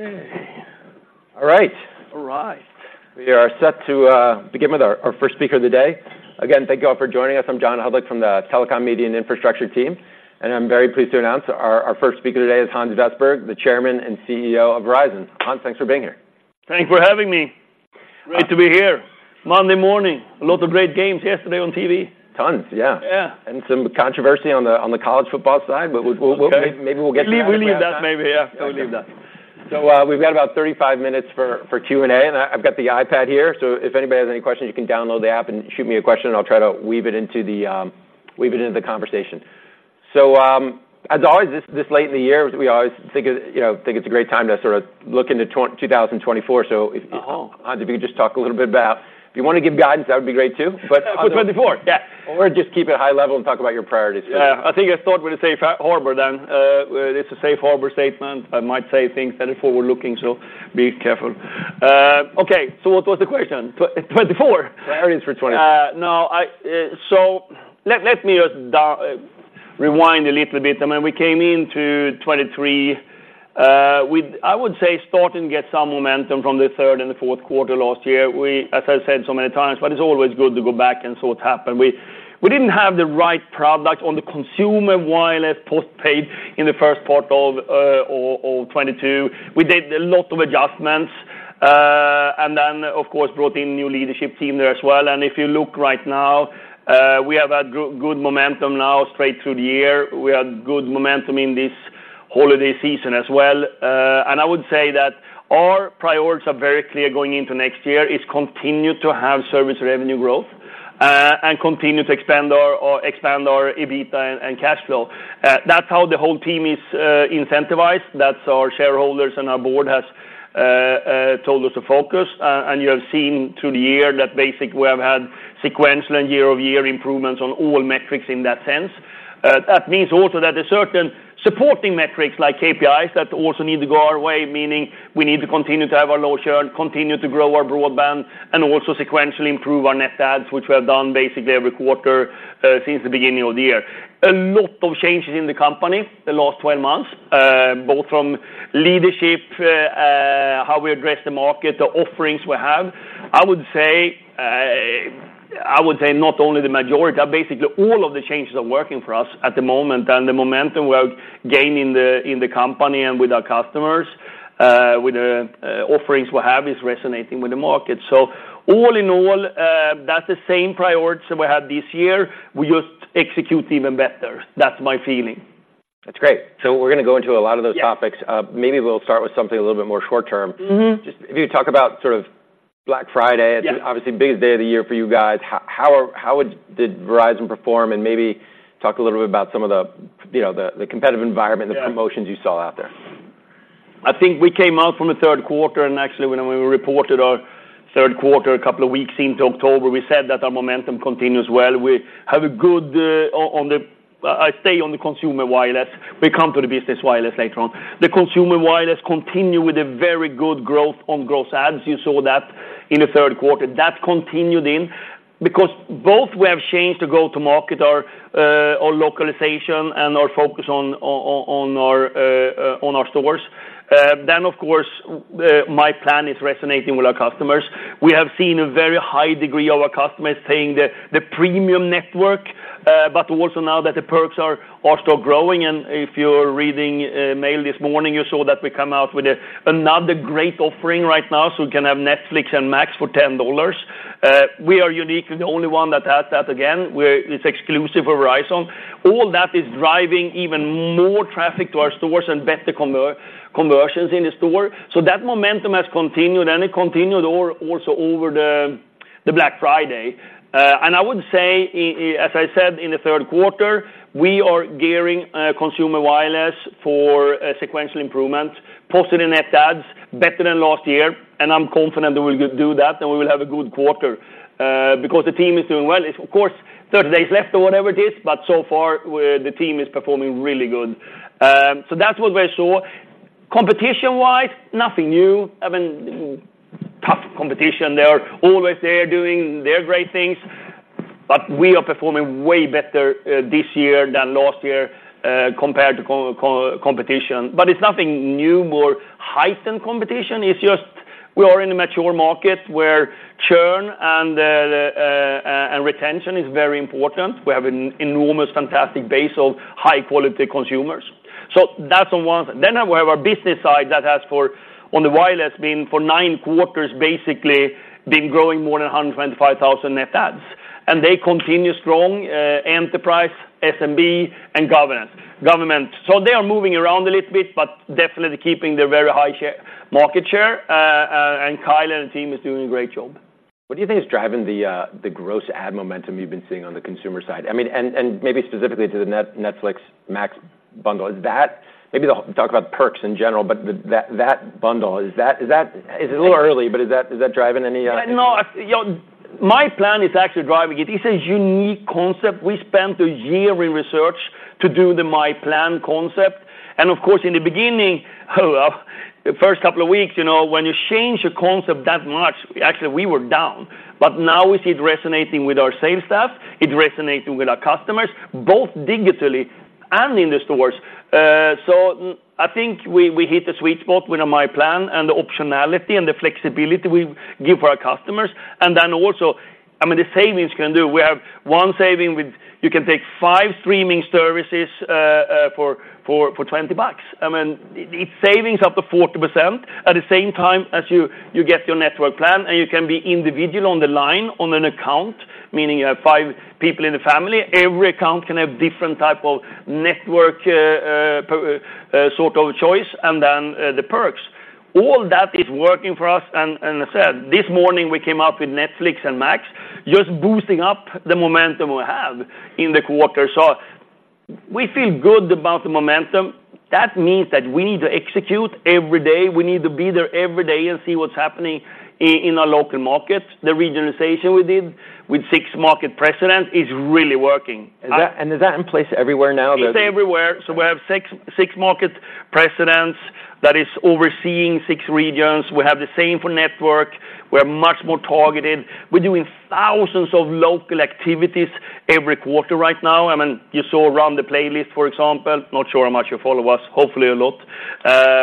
All right. All right. We are set to begin with our first speaker of the day. Again, thank you all for joining us. I'm John Hodulik from the Telecom Media and Infrastructure team, and I'm very pleased to announce our first speaker today is Hans Vestberg, the Chairman and CEO of Verizon. Hans, thanks for being here. Thanks for having me. Right. Good to be here. Monday morning, a lot of great games yesterday on TV. Tons, yeah. Yeah. Some controversy on the college football side, but we- Okay We'll, maybe, maybe we'll get to that. We'll leave that maybe. Yeah, we'll leave that. So, we've got about 35 minutes for Q&A, and I've got the iPad here. So if anybody has any questions, you can download the app and shoot me a question, and I'll try to weave it into the conversation. So, as always, this late in the year, we always think, you know, it's a great time to sort of look into 2024. So- Uh-huh Hans, if you could just talk a little bit about... If you want to give guidance, that would be great, too. But- For '24? Yeah. Or just keep it high level and talk about your priorities. Yeah, I think I thought we're a safe harbor then. It's a safe harbor statement. I might say things that are forward-looking, so be careful. Okay, so what was the question? 2024. Plans for 2024. No, let me just rewind a little bit. I mean, we came into 2023 with, I would say, starting to get some momentum from the third and the fourth quarter last year. As I said so many times, but it's always good to go back and see what's happened. We didn't have the right product on the consumer wireless postpaid in the first part of all 2022. We did a lot of adjustments and then, of course, brought in new leadership team there as well. And if you look right now, we have good momentum now straight through the year. We had good momentum in this holiday season as well. And I would say that our priorities are very clear going into next year, is continue to have service revenue growth, and continue to expand our, or expand our EBITDA and cash flow. That's how the whole team is incentivized. That's our shareholders and our board has told us to focus. And you have seen through the year that basically we have had sequential and year-over-year improvements on all metrics in that sense. That means also that there are certain supporting metrics, like KPIs, that also need to go our way, meaning we need to continue to have our low churn, continue to grow our broadband, and also sequentially improve our net adds, which we have done basically every quarter since the beginning of the year. A lot of changes in the company the last 12 months, both from leadership, how we address the market, the offerings we have. I would say, I would say not only the majority, but basically all of the changes are working for us at the moment, and the momentum we have gained in the company and with our customers, with the offerings we have, is resonating with the market. So all in all, that's the same priorities that we had this year. We just execute even better. That's my feeling. That's great. We're gonna go into a lot of those topics. Yeah. Maybe we'll start with something a little bit more short term. Mm-hmm. Just if you talk about sort of Black Friday- Yeah It's obviously the biggest day of the year for you guys. How did Verizon perform? And maybe talk a little bit about some of the, you know, the competitive environment. Yeah and the promotions you saw out there. I think we came out from the third quarter, and actually, when we reported our third quarter, a couple of weeks into October, we said that our momentum continues well. We have a good... I stay on the consumer wireless. We come to the business wireless later on. The consumer wireless continue with a very good growth on gross adds. You saw that in the third quarter. That continued in, because both we have changed the go-to-market, our localization and our focus on our stores. Then, of course, myPlan is resonating with our customers. We have seen a very high degree of our customers paying the, the premium network, but also now that the perks are also growing, and if you're reading mail this morning, you saw that we come out with another great offering right now, so we can have Netflix and Max for $10. We are uniquely the only one that has that again, where it's exclusive for Verizon. All that is driving even more traffic to our stores and better conversions in the store. So that momentum has continued, and it continued also over the Black Friday. And I would say, as I said in the third quarter, we are gearing consumer wireless for sequential improvements, positive net adds, better than last year, and I'm confident that we'll do that, and we will have a good quarter because the team is doing well. It's, of course, 30 days left or whatever it is, but so far, we're, the team is performing really good. So that's what we saw. Competition-wise, nothing new. I mean, tough competition. They are always there doing their great things, but we are performing way better this year than last year compared to competition. But it's nothing new, more heightened competition. It's just we are in a mature market where churn and retention is very important. We have an enormous, fantastic base of high-quality consumers. So that's the one. Then we have our business side that has, on the wireless, been for 9 quarters, basically been growing more than 125,000 net adds, and they continue strong, enterprise, SMB, and government. So they are moving around a little bit, but definitely keeping their very high share, market share, and Kyle and the team is doing a great job. What do you think is driving the, the gross add momentum you've been seeing on the consumer side? I mean, maybe specifically to the Netflix Max bundle. Is that... Maybe they'll talk about perks in general, but that bundle, is that driving any? No, you know, myPlan is actually driving it. It's a unique concept. We spent a year in research to do the myPlan concept, and of course, in the beginning, the first couple of weeks, you know, when you change a concept that much, actually, we were down. But now we see it resonating with our sales staff, it resonating with our customers, both digitally and in the stores. So I think we hit the sweet spot with myPlan and the optionality and the flexibility we give our customers. And then also, I mean, the savings can do. We have one saving with, you can take five streaming services for $20. I mean, it's savings up to 40% at the same time as you get your network plan, and you can be individual on the line on an account, meaning you have five people in the family. Every account can have different type of network sort of choice, and then the perks. All that is working for us, and I said, this morning, we came up with Netflix and Max, just boosting up the momentum we have in the quarter. So we feel good about the momentum. That means that we need to execute every day. We need to be there every day and see what's happening in our local markets. The regionalization we did with six market presidents is really working. Is that in place everywhere now that- It's everywhere. So we have six, six market presidents, that is overseeing six regions. We have the same for network. We're much more targeted. We're doing thousands of local activities every quarter right now. I mean, you saw around the +play, for example, not sure how much you follow us, hopefully, a lot,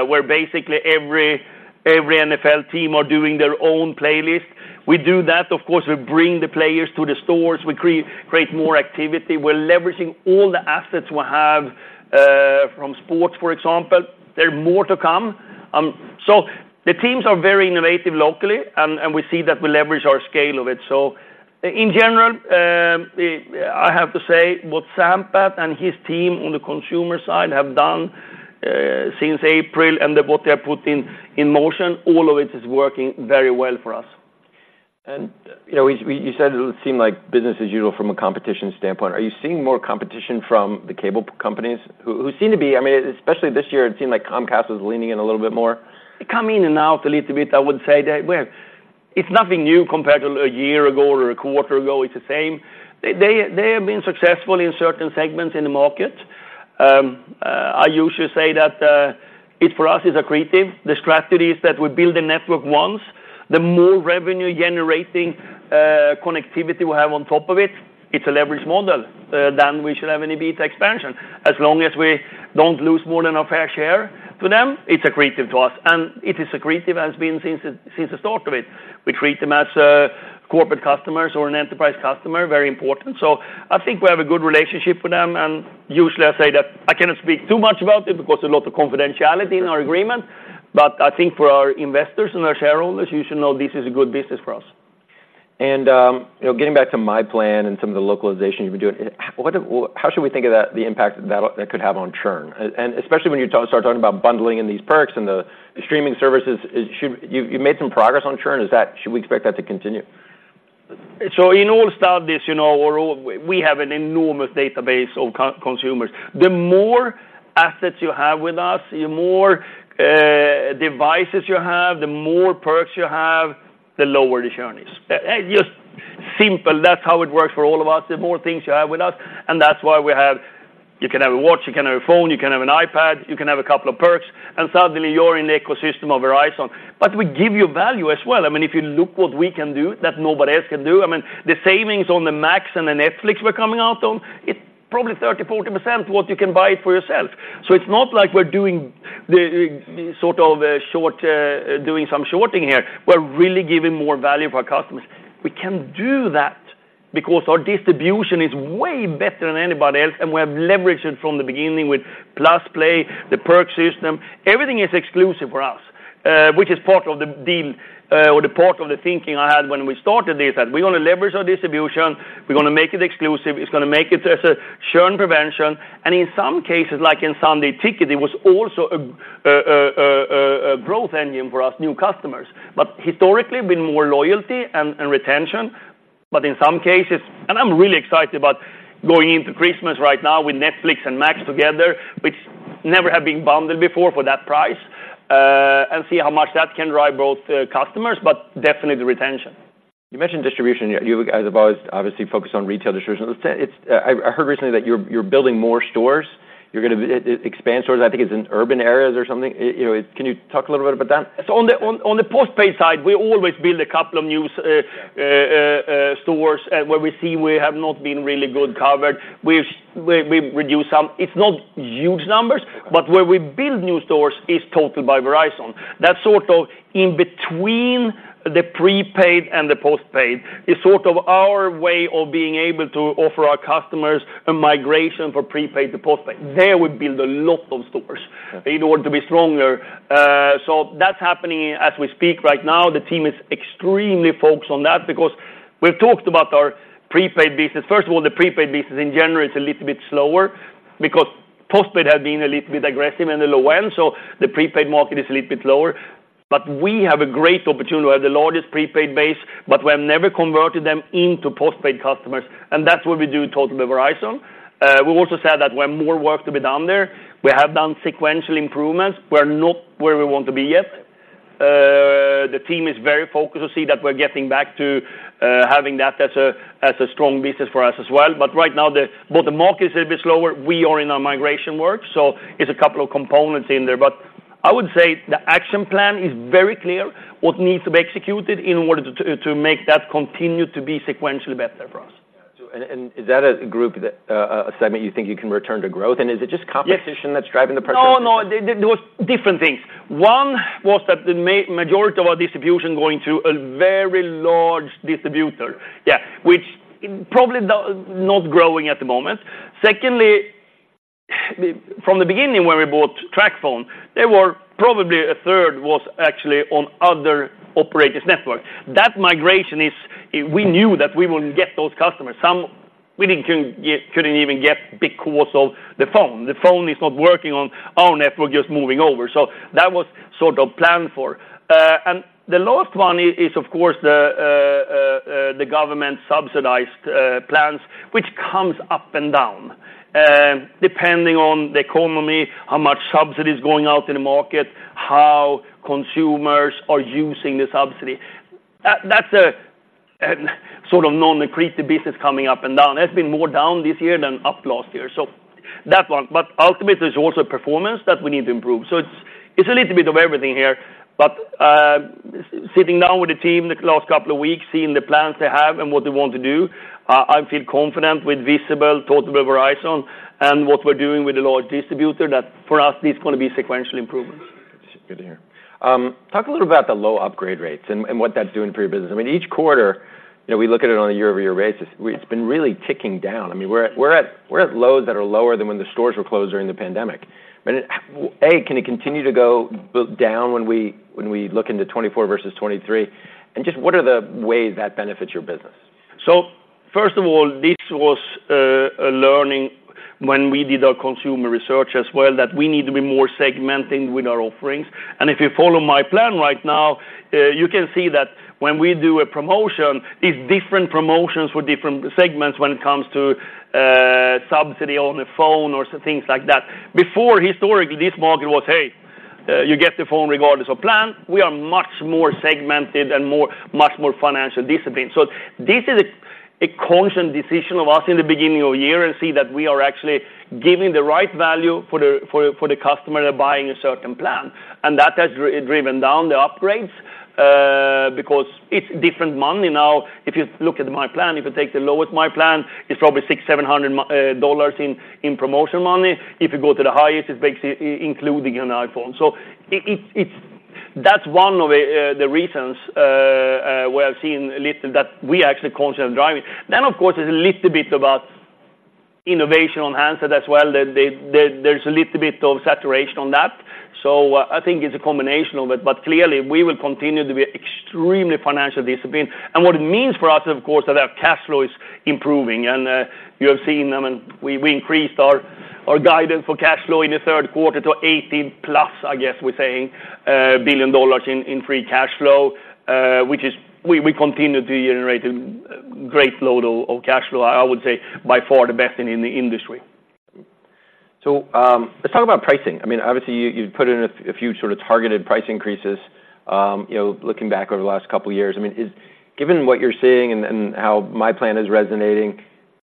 where basically every NFL team are doing their own +play. We do that, of course, we bring the players to the stores. We create more activity. We're leveraging all the assets we have, from sports, for example. There are more to come. So the teams are very innovative locally, and we see that we leverage our scale of it. So in general, I have to say, what Sampath and his team on the consumer side have done, since April, and then what they put in motion, all of it is working very well for us. You know, you said it seemed like business as usual from a competition standpoint. Are you seeing more competition from the cable companies who seem to be... I mean, especially this year, it seemed like Comcast was leaning in a little bit more. They come in and out a little bit. I would say that, well, it's nothing new compared to a year ago or a quarter ago, it's the same. They, they have been successful in certain segments in the market. I usually say that, it for us, is accretive. The strategy is that we build the network once, the more revenue generating connectivity we have on top of it, it's a leverage model, than we should have any beta expansion. As long as we don't lose more than our fair share to them, it's accretive to us, and it is accretive, and it's been since the, since the start of it. We treat them as corporate customers or an enterprise customer, very important. So I think we have a good relationship with them, and usually, I say that I cannot speak too much about it because a lot of confidentiality in our agreement, but I think for our investors and our shareholders, you should know this is a good business for us. You know, getting back to myPlan and some of the localization you've been doing, how should we think about the impact that could have on churn? And especially when you start talking about bundling in these perks and the streaming services, you made some progress on churn. Should we expect that to continue? So in all of this, you know, we have an enormous database of consumers. The more assets you have with us, the more devices you have, the more perks you have, the lower the churn is. Just simple. That's how it works for all of us, the more things you have with us, and that's why we have... You can have a watch, you can have a phone, you can have an iPad, you can have a couple of perks, and suddenly you're in the ecosystem of Verizon. But we give you value as well. I mean, if you look what we can do that nobody else can do, I mean, the savings on the Max and the Netflix we're coming out on, it's probably 30%-40% what you can buy it for yourself. So it's not like we're doing the sort of shorting here. We're really giving more value for our customers. We can do that because our distribution is way better than anybody else, and we have leveraged it from the beginning with +play, the perk system. Everything is exclusive for us, which is part of the deal or the part of the thinking I had when we started this, that we're gonna leverage our distribution, we're gonna make it exclusive, it's gonna make it as a churn prevention, and in some cases, like in Sunday Ticket, it was also a growth engine for us, new customers. But historically, been more loyalty and retention, but in some cases... I'm really excited about going into Christmas right now with Netflix and Max together, which never have been bundled before for that price, and see how much that can drive both customers, but definitely the retention. You mentioned distribution. You as always, obviously, focused on retail distribution. Let's say I heard recently that you're building more stores. You're gonna expand stores. I think it's in urban areas or something. You know, can you talk a little bit about that? So on the postpaid side, we always build a couple of new stores where we see we have not been really good covered. We reduce some. It's not huge numbers, but where we build new stores is Total by Verizon. That's sort of in between the prepaid and the postpaid. It's sort of our way of being able to offer our customers a migration for prepaid to postpaid. There, we build a lot of stores. Okay... in order to be stronger. So that's happening as we speak right now. The team is extremely focused on that because we've talked about our prepaid business. First of all, the prepaid business, in general, is a little bit slower because postpaid has been a little bit aggressive in the low end, so the prepaid market is a little bit lower. But we have a great opportunity. We have the largest prepaid base, but we have never converted them into postpaid customers, and that's what we do Total by Verizon. We also said that we have more work to be done there. We have done sequential improvements. We're not where we want to be yet. The team is very focused to see that we're getting back to having that as a strong business for us as well. But right now, but the market is a bit slower. We are in our migration work, so it's a couple of components in there. I would say the action plan is very clear, what needs to be executed in order to make that continue to be sequentially better for us. Yeah. So, and is that a group that, a segment you think you can return to growth? And is it just competition- Yes... that's driving the price? No, no, there was different things. One, was that the majority of our distribution going to a very large distributor. Yeah, which probably is not growing at the moment. Secondly, from the beginning, when we bought TracFone, there were probably a third was actually on other operators' network. That migration is... We knew that we would get those customers. Some we didn't get, couldn't even get because of the phone. The phone is not working on network, just moving over. So that was sort of planned for. And the last one is, of course, the government-subsidized plans, which comes up and down, depending on the economy, how much subsidies going out in the market, how consumers are using the subsidy. That's a sort of non-predictive business coming up and down. It's been more down this year than up last year. So that one, but ultimately, there's also performance that we need to improve. So it's, it's a little bit of everything here. But sitting down with the team the last couple of weeks, seeing the plans they have and what they want to do, I feel confident with Visible, Total by Verizon, and what we're doing with the large distributor, that for us, this is gonna be sequential improvements. Good to hear. Talk a little about the low upgrade rates and, and what that's doing for your business. I mean, each quarter, you know, we look at it on a year-over-year basis, it's been really ticking down. I mean, we're at, we're at, we're at lows that are lower than when the stores were closed during the pandemic. I mean, can it continue to go down when we, when we look into 2024 versus 2023? And just what are the ways that benefits your business? So first of all, this was a learning when we did our consumer research as well, that we need to be more segmenting with our offerings. And if you follow myPlan right now, you can see that when we do a promotion, it's different promotions for different segments when it comes to subsidy on the phone or things like that. Before, historically, this market was, Hey, you get the phone regardless of plan. We are much more segmented and more, much more financially disciplined. So this is a conscious decision of us in the beginning of the year, and see that we are actually giving the right value for the customer buying a certain plan. And that has driven down the upgrades because it's different money now. If you look at myPlan, if you take the lowest myPlan, it's probably $600-$700 more in promotion money. If you go to the highest, it's basically including an iPhone. So it, it's, it's—that's one of the reasons that we're actually constantly driving. Then, of course, there's a little bit about innovation on handset as well. There, there's a little bit of saturation on that. So I think it's a combination of it, but clearly, we will continue to be extremely financially disciplined. What it means for us, of course, is that our cash flow is improving, and you have seen them, and we increased our guidance for cash flow in the third quarter to $18+ billion in free cash flow, which is we continue to generate a great flow of cash flow, I would say, by far, the best in the industry. So, let's talk about pricing. I mean, obviously, you, you've put in a few sort of targeted price increases, you know, looking back over the last couple of years. I mean, given what you're seeing and how my plan is resonating,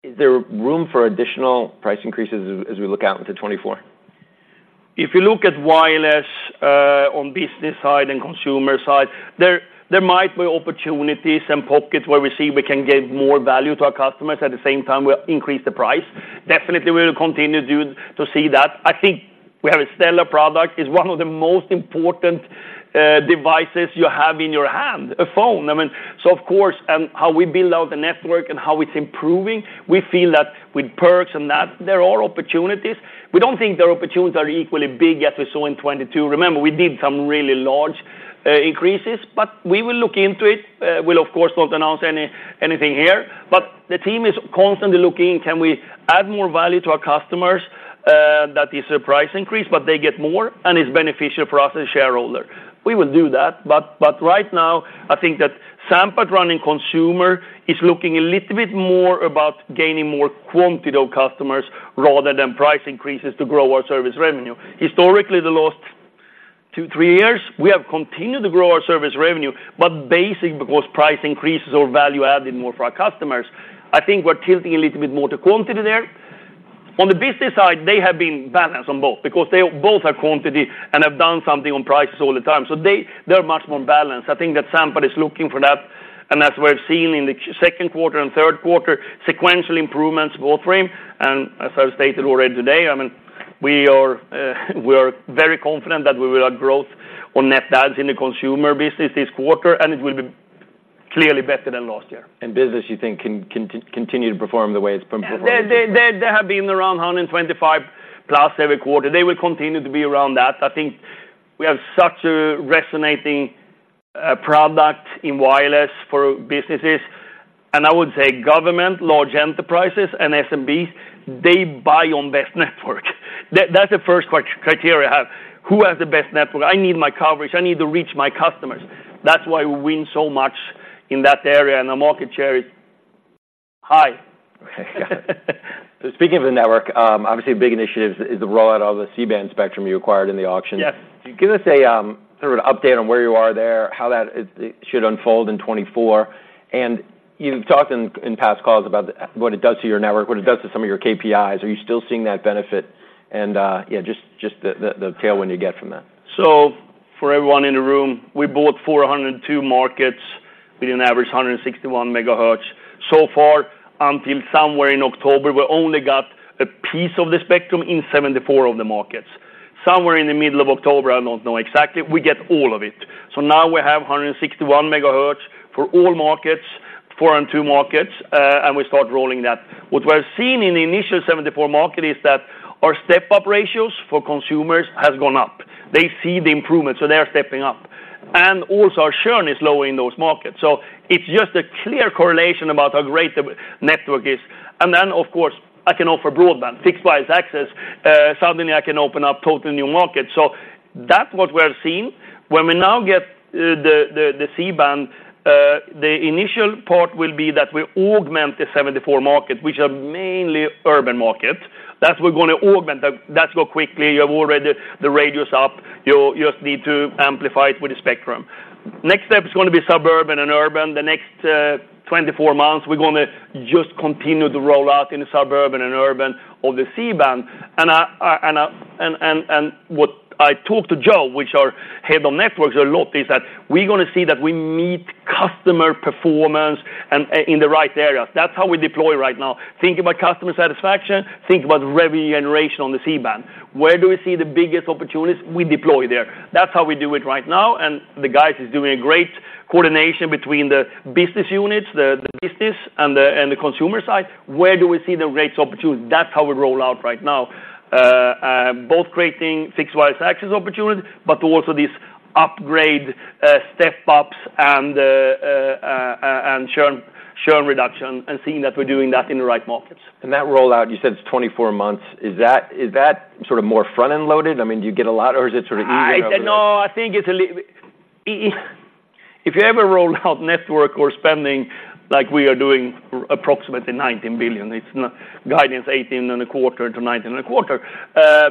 is there room for additional price increases as we look out into 2024? If you look at wireless, on business side and consumer side, there might be opportunities and pockets where we see we can give more value to our customers, at the same time, we increase the price. Definitely, we'll continue to see that. I think we have a stellar product. It's one of the most important, devices you have in your hand, a phone. I mean, so of course, how we build out the network and how it's improving, we feel that with perks and that, there are opportunities. We don't think the opportunities are equally big as we saw in 2022. Remember, we did some really large, increases, but we will look into it. We'll, of course, not announce anything here, but the team is constantly looking, Can we add more value to our customers? That is a price increase, but they get more, and it's beneficial for us as shareholders. We will do that, but, but right now, I think that Sampath running consumer is looking a little bit more about gaining more quantity of customers, rather than price increases to grow our service revenue. Historically, the last two, three years, we have continued to grow our service revenue, but basically, because price increases or value added more for our customers, I think we're tilting a little bit more to quantity there. On the business side, they have been balanced on both, because they both are quantity and have done something on prices all the time, so they're much more balanced. I think that Sampath is looking for that, and as we're seeing in the second quarter and third quarter, sequential improvements both frame, and as I stated already today, I mean, we are, we are very confident that we will have growth on net adds in the consumer business this quarter, and it will be clearly better than last year. Business, you think can continue to perform the way it's been performing? They have been around 125+ every quarter. They will continue to be around that. I think we have such a resonating product in wireless for businesses, and I would say government, large enterprises, and SMBs, they buy on best network. That's the first criteria I have. Who has the best network? I need my coverage. I need to reach my customers. That's why we win so much in that area, and the market share is high. Okay, got it. So speaking of the network, obviously, a big initiative is the rollout of the C-band spectrum you acquired in the auction. Yes. Can you give us a sort of an update on where you are there, how that it should unfold in 2024?... And you've talked in past calls about what it does to your network, what it does to some of your KPIs. Are you still seeing that benefit? And yeah, just the tailwind you get from that. So for everyone in the room, we bought 402 markets with an average 161 megahertz. So far, until somewhere in October, we only got a piece of the spectrum in 74 of the markets. Somewhere in the middle of October, I don't know exactly, we get all of it. So now we have 161 megahertz for all markets, 402 markets, and we start rolling that. What we're seeing in the initial 74 market is that our step-up ratios for consumers has gone up. They see the improvement, so they're stepping up. And also, our churn is low in those markets. So it's just a clear correlation about how great the network is. And then, of course, I can offer broadband. Fixed wireless access suddenly I can open up totally new markets. So that's what we're seeing. When we now get the C-band, the initial part will be that we augment the 74 markets, which are mainly urban markets, that we're gonna augment, that's what quickly you have already, the radio is up. You just need to amplify it with the spectrum. Next step is gonna be suburban and urban. The next 24 months, we're gonna just continue to roll out in the suburban and urban of the C-band. And what I talked to Joe, which are head of networks, a lot, is that we're gonna see that we meet customer performance and in the right areas. That's how we deploy right now. Think about customer satisfaction, think about revenue generation on the C-band. Where do we see the biggest opportunities? We deploy there. That's how we do it right now, and the guys is doing a great coordination between the business units, the business, and the consumer side. Where do we see the greatest opportunity? That's how we roll out right now, both creating fixed wireless access opportunity, but to also this upgrade, step ups and the, and churn, churn reduction, and seeing that we're doing that in the right markets. And that rollout, you said it's 24 months. Is that, is that sort of more front-end loaded? I mean, do you get a lot or is it sort of even over- No, I think it's a little if you ever rolled out network or spending like we are doing approximately $19 billion, it's not guidance $18.25-$19.25,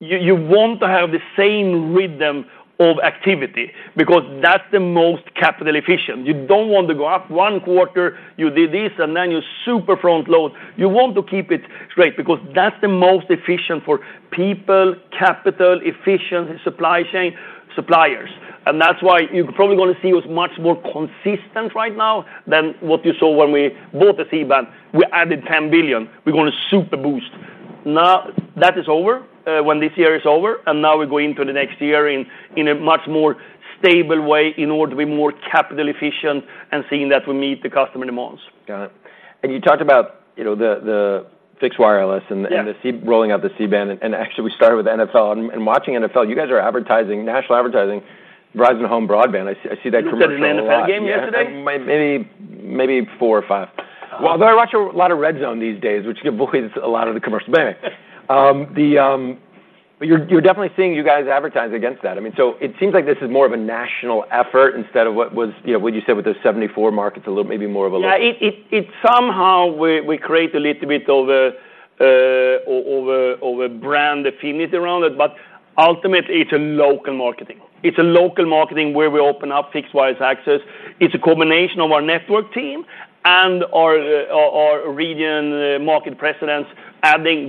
you want to have the same rhythm of activity because that's the most capital efficient. You don't want to go up one quarter, you did this, and then you super front-load. You want to keep it straight because that's the most efficient for people, capital, efficiency, supply chain, suppliers. And that's why you're probably gonna see us much more consistent right now than what you saw when we bought the C-band. We added $10 billion. We're gonna super boost. Now, that is over, when this year is over, and now we go into the next year in, in a much more stable way in order to be more capital efficient and seeing that we meet the customer demands. Got it. You talked about, you know, the fixed wireless and the- Yeah... and the C-band rolling out the C-band, and actually, we started with NFL. And watching NFL, you guys are advertising, national advertising, Verizon Home Broadband. I see, I see that commercial a lot. You watched an NFL game yesterday? Maybe, maybe four or five. Well, but I watch a lot of RedZone these days, which avoids a lot of the commercial. Anyway, but you're, you're definitely seeing you guys advertise against that. I mean, so it seems like this is more of a national effort instead of what was, you know, what you said with those 74 markets, a little, maybe more of a local. Yeah, it somehow we create a little bit of a brand affinity around it, but ultimately, it's a local marketing. It's a local marketing where we open up fixed wireless access. It's a combination of our network team and our region market presidents,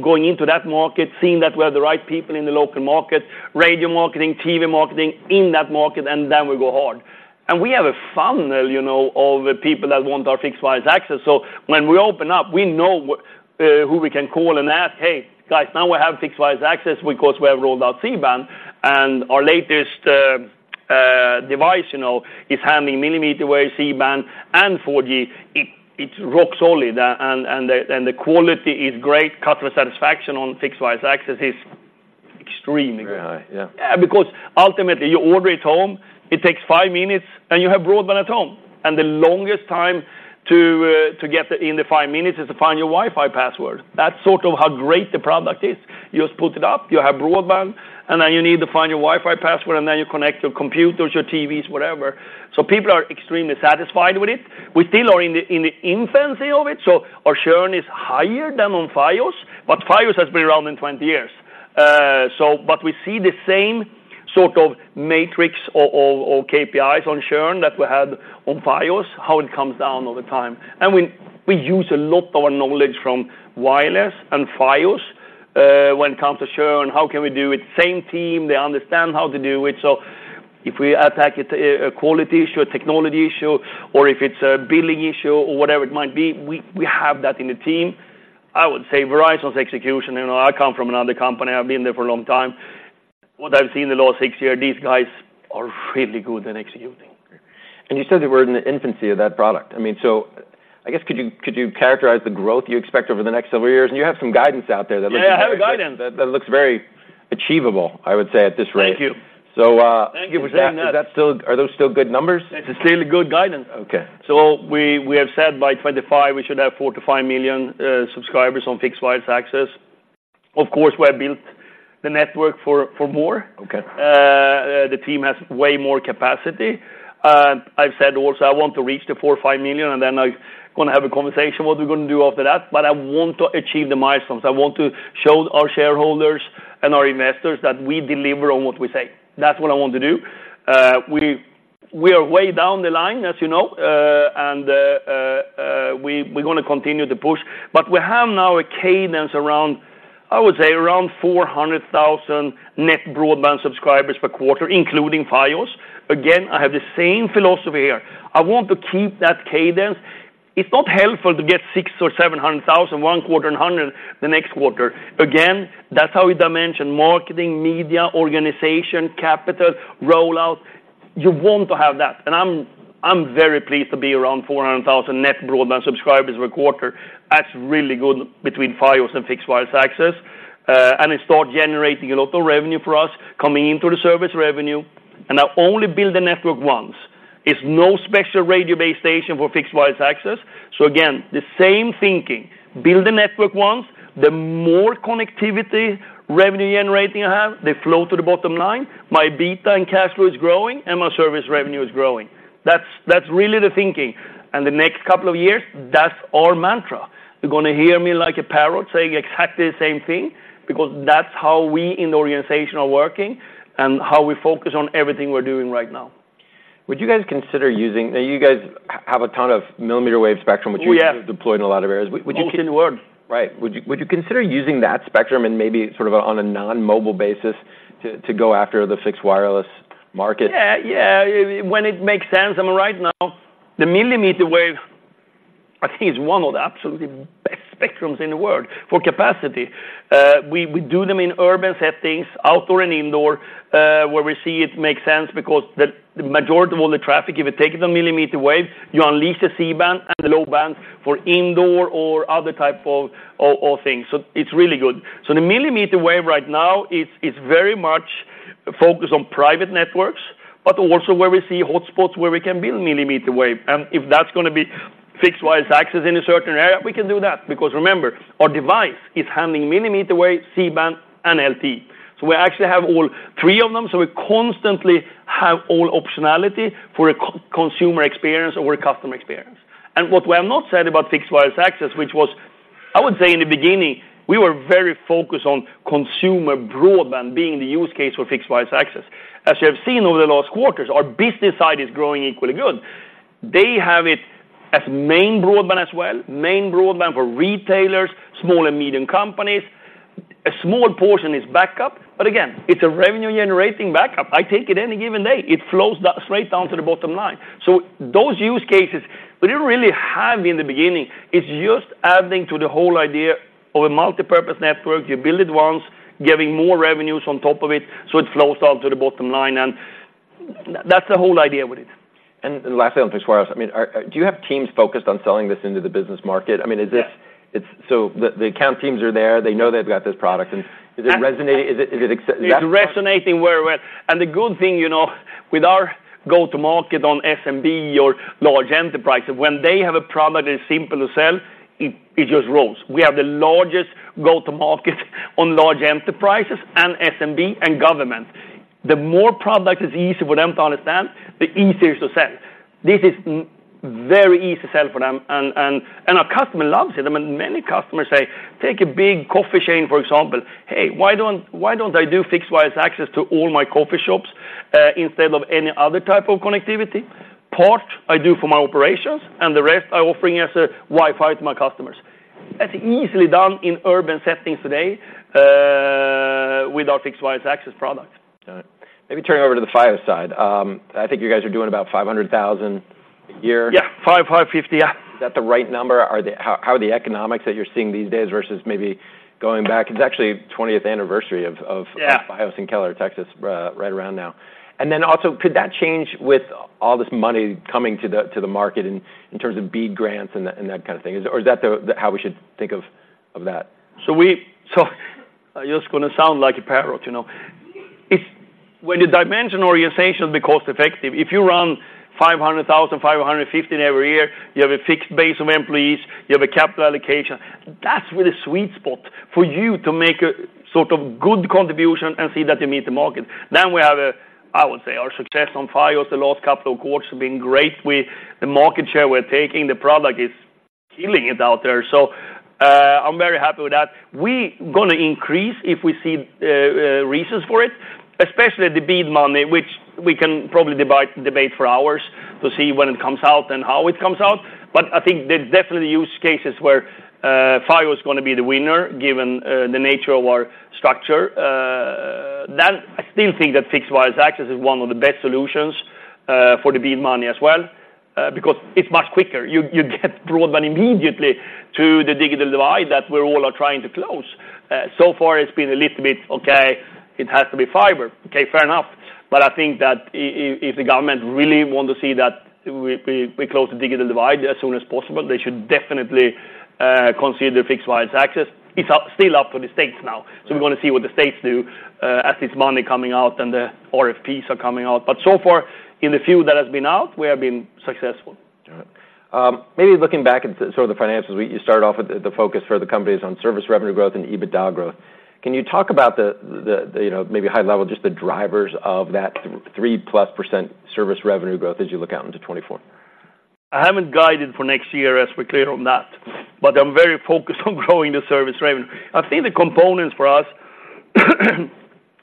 going into that market, seeing that we have the right people in the local market, radio marketing, TV marketing in that market, and then we go hard. And we have a funnel, you know, of people that want our fixed wireless access. So when we open up, we know who we can call and ask, "Hey, guys, now we have fixed wireless access because we have rolled out C-band, and our latest device, you know, is handling millimeter wave, C-band, and 4G." It's rock solid, and the quality is great. Customer satisfaction on fixed wireless access is extremely good. Very high, yeah. Because ultimately, you order it home, it takes 5 minutes, and you have broadband at home, and the longest time to get in the 5 minutes is to find your Wi-Fi password. That's sort of how great the product is. You just put it up, you have broadband, and then you need to find your Wi-Fi password, and then you connect your computers, your TVs, whatever. So people are extremely satisfied with it. We still are in the infancy of it, so our churn is higher than on Fios, but Fios has been around in 20 years. So but we see the same sort of matrix or KPIs on churn that we had on Fios, how it comes down all the time. And we use a lot of our knowledge from wireless and Fios when it comes to churn. How can we do it? Same team, they understand how to do it. So if we attack it, a quality issue, a technology issue, or if it's a billing issue or whatever it might be, we have that in the team. I would say Verizon's execution, and I come from another company. I've been there for a long time. What I've seen in the last six years, these guys are really good at executing. You said they were in the infancy of that product. I mean, so I guess could you characterize the growth you expect over the next several years? You have some guidance out there that looks- Yeah, I have a guidance.... that looks very achievable, I would say, at this rate. Thank you. So, uh- Thank you for saying that. Is that still... Are those still good numbers? It's a really good guidance. Okay. So we have said by 2025, we should have 4-5 million subscribers on fixed wireless access. Of course, we have built the network for more. Okay. The team has way more capacity. I've said also, I want to reach the 4 or 5 million, and then gonna have a conversation, what we're gonna do after that, but I want to achieve the milestones. I want to show our shareholders and our investors that we deliver on what we say. That's what I want to do. We are way down the line, as you know, and we're gonna continue to push. But we have now a cadence around, I would say, around 400,000 net broadband subscribers per quarter, including Fios. Again, I have the same philosophy here. I want to keep that cadence. It's not helpful to get 600,000 or 700,000 one quarter and 100,000 the next quarter. Again, that's how we dimension marketing, media, organization, capital, rollout. You want to have that, and I'm very pleased to be around 400,000 net broadband subscribers per quarter. That's really good between Fios and fixed wireless access, and it start generating a lot of revenue for us, coming into the service revenue, and I only build the network once. It's no special radio base station for fixed wireless access. So again, the same thinking, build the network once. The more connectivity revenue-generating I have, they flow to the bottom line. My EBITDA and cash flow is growing, and my service revenue is growing. That's really the thinking, and the next couple of years, that's our mantra. You're gonna hear me like a parrot saying exactly the same thing because that's how we in the organization are working and how we focus on everything we're doing right now. Would you guys consider using... Now, you guys have a ton of millimeter wave spectrum- Oh, yeah. which you have deployed in a lot of areas. Would you- Most in the world. Right. Would you consider using that spectrum and maybe sort of on a non-mobile basis to go after the fixed wireless market? Yeah, yeah. When it makes sense. I mean, right now, the millimeter wave, I think, is one of the absolutely best spectrums in the world for capacity. We do them in urban settings, outdoor and indoor, where we see it make sense because the majority of all the traffic, if you take the millimeter wave, you unleash the C-band and the low band for indoor or other type of or things. So it's really good. So the millimeter wave right now is very much focused on private networks, but also where we see hotspots, where we can build millimeter wave. And if that's gonna be fixed wireless access in a certain area, we can do that. Because remember, our device is handling millimeter wave, C-band, and LTE. So we actually have all three of them, so we constantly have all optionality for a consumer experience or a customer experience. And what we have not said about fixed wireless access, which was, I would say in the beginning, we were very focused on consumer broadband being the use case for fixed wireless access. As you have seen over the last quarters, our business side is growing equally good. They have it as main broadband as well, main broadband for retailers, small and medium companies. A small portion is backup, but again, it's a revenue-generating backup. I take it any given day, it flows straight down to the bottom line. So those use cases, we didn't really have in the beginning. It's just adding to the whole idea of a multipurpose network. You build it once, getting more revenues on top of it, so it flows down to the bottom line, and that's the whole idea with it. Lastly, on fixed wireless, I mean, do you have teams focused on selling this into the business market? I mean, is this- Yeah. So the account teams are there, they know they've got this product, and is it resonating? Is it ex- It's resonating very well. The good thing, you know, with our go-to-market on SMB or large enterprise, when they have a product that is simple to sell, it just rolls. We have the largest go-to-market on large enterprises and SMB and government. The more product is easy for them to understand, the easier to sell. This is very easy to sell for them, and our customer loves it. I mean, many customers say, take a big coffee chain, for example: "Hey, why don't, why don't I do fixed wireless access to all my coffee shops, instead of any other type of connectivity? Part I do for my operations, and the rest I offering as a Wi-Fi to my customers." That's easily done in urban settings today, with our fixed wireless access product. Got it. Maybe turning over to the Fios side. I think you guys are doing about 500,000 a year. Yeah, 5, 550, yeah. Is that the right number? How are the economics that you're seeing these days versus maybe going back? It's actually the 20th anniversary of, of- Yeah... Fios in Keller, Texas, right around now. And then also, could that change with all this money coming to the market in terms of BEAD grants and that kind of thing? Or is that how we should think of that? So, so I'm just gonna sound like a parrot, you know? It's when you dimension organization, be cost effective. If you run 500,000-550,000 every year, you have a fixed base of employees, you have a capital allocation, that's where the sweet spot for you to make a sort of good contribution and see that you meet the market. Then we have a, I would say, our success on Fios. The last couple of quarters have been great. The market share we're taking, the product is killing it out there, so, I'm very happy with that. We gonna increase, if we see reasons for it, especially the BEAD money, which we can probably debate, debate for hours to see when it comes out and how it comes out. But I think there's definitely use cases where Fios is gonna be the winner, given the nature of our structure. Then I still think that fixed wireless access is one of the best solutions for the BEAD money as well, because it's much quicker. You get broadband immediately to the digital divide that we all are trying to close. So far, it's been a little bit, okay, it has to be fiber. Okay, fair enough. But I think that if the government really want to see that we close the digital divide as soon as possible, they should definitely consider fixed wireless access. It's still up to the states now, so we wanna see what the states do as this money coming out and the RFPs are coming out. So far, in the few that has been out, we have been successful. Got it. Maybe looking back at sort of the financials, you started off with the focus for the company is on service revenue growth and EBITDA growth. Can you talk about, you know, maybe high level, just the drivers of that 3%+ service revenue growth as you look out into 2024?... I haven't guided for next year, as we're clear on that, but I'm very focused on growing the service revenue. I think the components for us,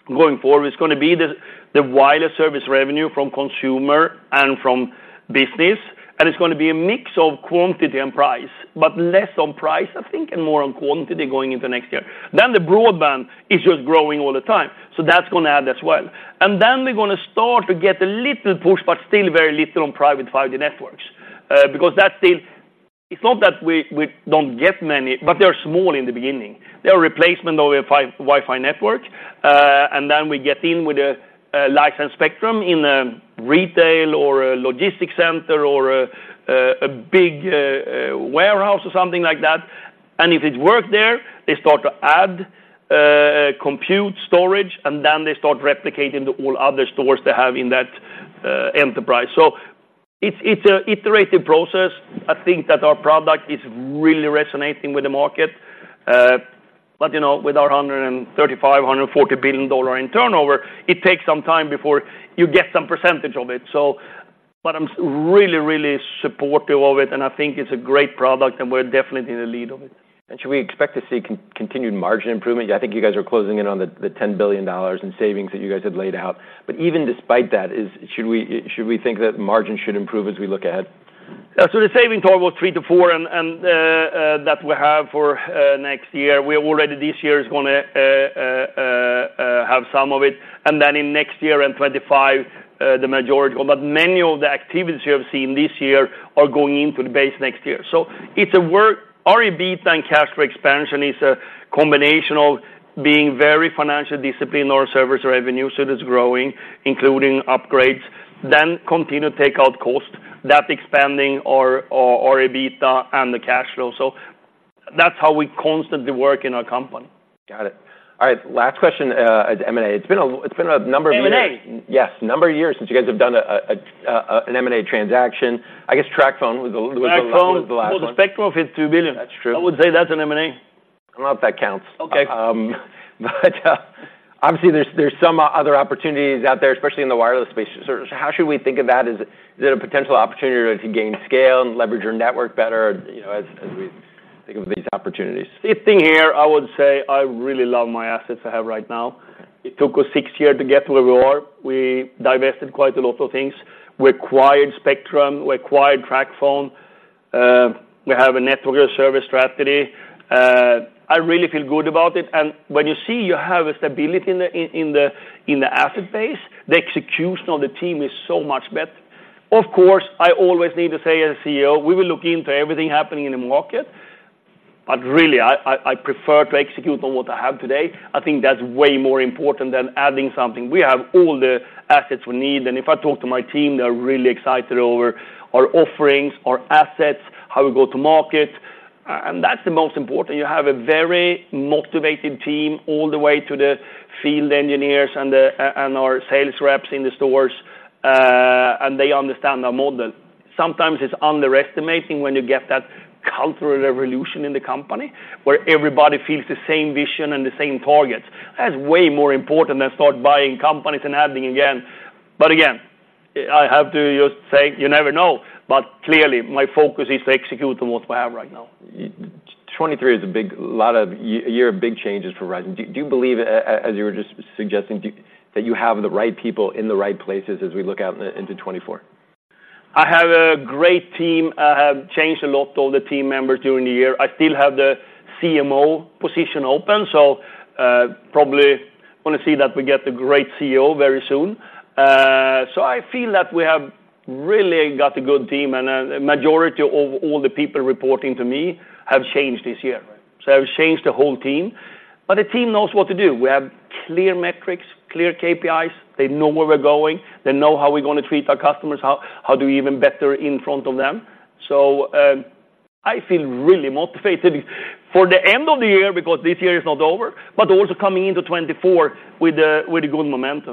going forward is gonna be the wireless service revenue from consumer and from business, and it's gonna be a mix of quantity and price, but less on price, I think, and more on quantity going into next year. Then the broadband is just growing all the time, so that's gonna add as well. And then we're gonna start to get a little push, but still very little on private 5G networks. Because that's still. It's not that we don't get many, but they are small in the beginning. They are replacement of a Wi-Fi network, and then we get in with a licensed spectrum in a retail or a logistics center or a big warehouse or something like that. And if it work there, they start to add compute storage, and then they start replicating to all other stores they have in that enterprise. So it's a iterative process. I think that our product is really resonating with the market. But, you know, with our $135-$140 billion in turnover, it takes some time before you get some percentage of it. So... But I'm really, really supportive of it, and I think it's a great product, and we're definitely in the lead of it. Should we expect to see continued margin improvement? I think you guys are closing in on the $10 billion in savings that you guys had laid out. Even despite that, should we think that margins should improve as we look ahead? So the saving target was 3-4, and that we have for next year. We already this year is gonna have some of it, and then in next year, in 2025, the majority. But many of the activities you have seen this year are going into the base next year. Our EBITDA and cash flow expansion is a combination of being very financially disciplined on service revenue, so it is growing, including upgrades, then continue to take out cost. That expanding our EBITDA and the cash flow. So that's how we constantly work in our company. Got it. All right, last question at M&A. It's been a number of years- M&A? Yes, a number of years since you guys have done an M&A transaction. I guess TracFone was the- TracFone- Was the last one. Well, the spectrum was $2 billion. That's true. I would say that's an M&A. I don't know if that counts. Okay. But, obviously, there's some other opportunities out there, especially in the wireless space. So how should we think of that? Is it a potential opportunity to gain scale and leverage your network better, you know, as we think of these opportunities? The thing here, I would say I really love my assets I have right now. Okay. It took us six years to get to where we are. We divested quite a lot of things. We acquired spectrum, we acquired TracFone, we have a network service strategy. I really feel good about it, and when you see you have a stability in the asset base, the execution of the team is so much better. Of course, I always need to say, as CEO, we will look into everything happening in the market, but really, I prefer to execute on what I have today. I think that's way more important than adding something. We have all the assets we need, and if I talk to my team, they're really excited over our offerings, our assets, how we go to market, and that's the most important. You have a very motivated team all the way to the field engineers and our sales reps in the stores, and they understand our model. Sometimes it's underestimating when you get that cultural revolution in the company, where everybody feels the same vision and the same targets. That's way more important than start buying companies and adding again. But again, I have to just say, you never know. But clearly, my focus is to execute on what we have right now. 2023 is a big year of big changes for Verizon. Do you believe, as you were just suggesting, that you have the right people in the right places as we look out into 2024? I have a great team. I have changed a lot of the team members during the year. I still have the CMO position open, so, probably wanna see that we get a great CEO very soon. So I feel that we have really got a good team, and the majority of all the people reporting to me have changed this year. Right. So I've changed the whole team, but the team knows what to do. We have clear metrics, clear KPIs, they know where we're going, they know how we're gonna treat our customers, how, how to do even better in front of them. So, I feel really motivated for the end of the year, because this year is not over, but also coming into 2024 with a, with a good momentum.